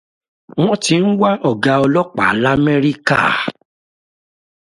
Wọ́n ti ń wá ọ̀gá ọlọ́pàá l'Ámẹ́ríkà.